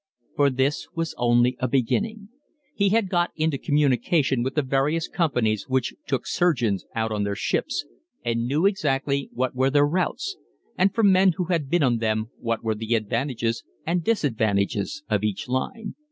For this was only a beginning. He had got into communication with the various companies which took surgeons out on their ships, and knew exactly what were their routes, and from men who had been on them what were the advantages and disadvantages of each line.